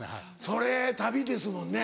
それたびですもんね。